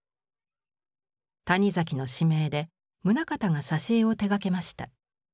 谷崎の指名で棟方が挿絵を手がけました。